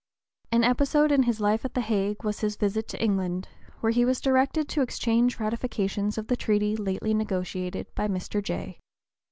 An episode in his life at the Hague was his visit to England, where he was directed to exchange ratifications of the treaty lately negotiated by Mr. Jay.